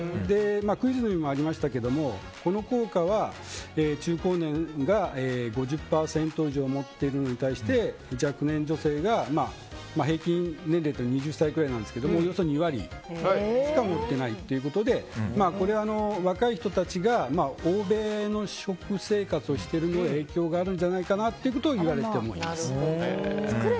クイズにもありましたがこの効果は中高年が５０％以上持っているのに対して若年女性が、平均年齢だと２０歳くらいなんですがおよそ２割しか持ってないということで若い人たちが欧米の食生活をしているのが影響があるんじゃないかなとみられています。